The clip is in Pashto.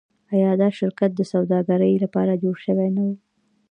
آیا دا شرکت د سوداګرۍ لپاره جوړ شوی نه و؟